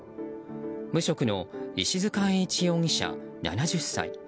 無職の石塚永一容疑者、７０歳。